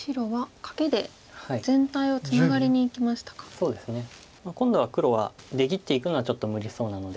そうですね今度は黒は出切っていくのはちょっと無理そうなので。